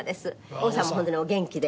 王さんも本当にお元気で。